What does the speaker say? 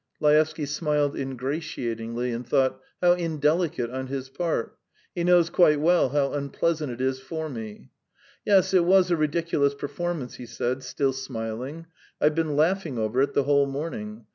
Laevsky smiled ingratiatingly, and thought: "How indelicate on his part! He knows quite well how unpleasant it is for me. ..." "Yes, it was a ridiculous performance," he said, still smiling. "I've been laughing over it the whole morning.